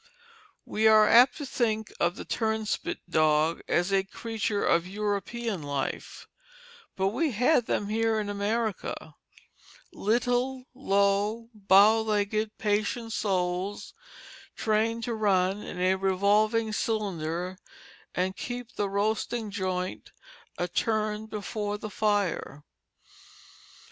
We are apt to think of the turnspit dog as a creature of European life, but we had them here in America little low, bow legged, patient souls, trained to run in a revolving cylinder and keep the roasting joint a turn before the fire.